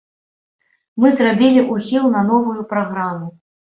Мы зрабілі ўхіл на новую праграму.